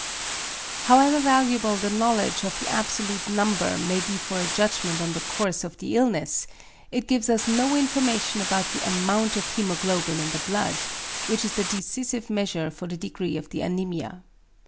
= However valuable the knowledge of the absolute number may be for a judgment on the course of the illness, it gives us no information about the AMOUNT OF HÆMOGLOBIN IN THE BLOOD, which is the decisive measure of the degree of the anæmia.